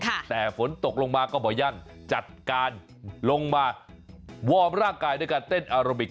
แต่ฝนตกลงมาก็บ่อยั่นจัดการลงมาวอร์มร่างกายด้วยการเต้นอาราบิก